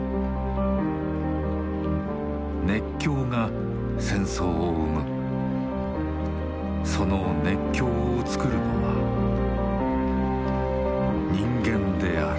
熱狂が戦争を生むその熱狂をつくるのは人間である。